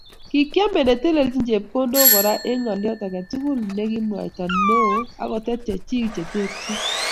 Kikiame netelechin chepkondok Kora eng ngolyo age tugul ne kimwaita neo akotet chechi cheterchin